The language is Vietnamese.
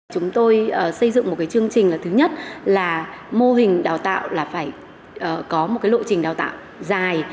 chúng tôi xây dựng một cái chương trình là thứ nhất là mô hình đào tạo là phải có một cái lộ trình đào tạo dài